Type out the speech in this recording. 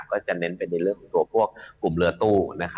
ก็จะเน้นเป็นเรื่องบุคกลับหลือตู้